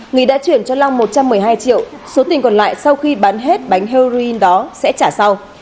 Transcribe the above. nghị đã chuyển cho long một trăm một mươi hai triệu số tiền còn lại sau khi bán hết bánh heroin đó sẽ trả sau